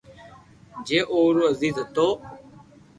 جي اوُ رو عزيز ھتو